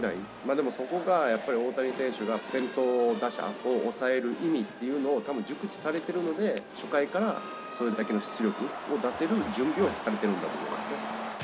でもそこがやっぱり、大谷選手が先頭打者を抑える意味っていうのを、たぶん、熟知されてるので、初回からそれだけの出力を出せる準備をされてるんだと思います。